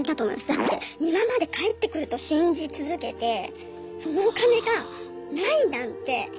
だって今まで返ってくると信じ続けてそのお金がないなんて！